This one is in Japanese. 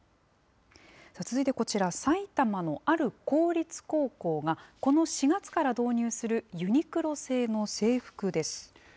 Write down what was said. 続いてこちら、さいたまのある公立高校が、この４月から導入するユニクロ製の制服です。